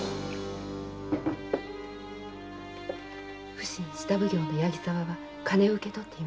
普請下奉行・八木沢は金を受け取っていました。